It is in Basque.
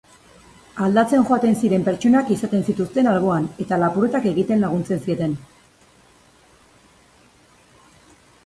Aldatzen joaten ziren pertsonak izaten zituzten alboan, eta lapurretak egiten laguntzen zieten.